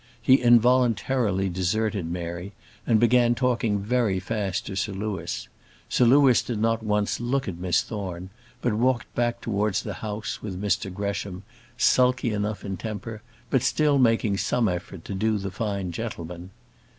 He involuntarily deserted Mary and began talking very fast to Sir Louis. Sir Louis did not once look at Miss Thorne, but walked back towards the house with Mr Gresham, sulky enough in temper, but still making some effort to do the fine gentleman.